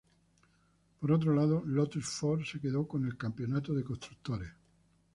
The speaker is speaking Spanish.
Por otro lado, Lotus-Ford se quedó con la Campeonato de Constructores.